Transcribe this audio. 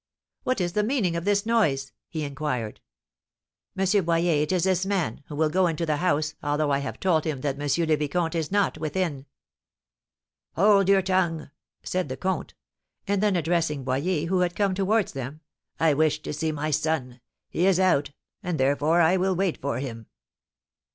"What is the meaning of this noise?" he inquired. "M. Boyer, it is this man, who will go into the house, although I have told him that M. le Vicomte is not within." "Hold your tongue!" said the comte. And then addressing Boyer, who had come towards them, "I wish to see my son. He is out, and therefore I will wait for him."